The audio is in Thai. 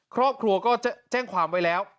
ครอบครัวก็แจ้งความไว้แล้ว